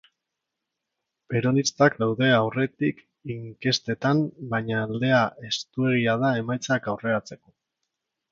Peronistak daude aurretik inkestetan, baina aldea estuegia da emaitza aurreratzeko.